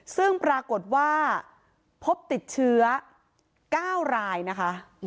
ซึ่งปรากฏว่าพบติดเชื้อ๙รายนะคะ